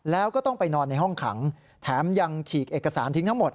แล้วก็ต้องไปนอนในห้องขังแถมยังฉีกเอกสารทิ้งทั้งหมด